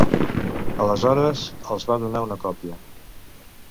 Aleshores, els va donar una còpia.